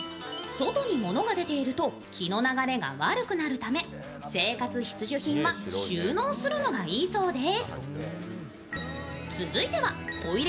外に物が出ていると、気の流れが悪くなるので生活必需品は収納するのがいいそうです。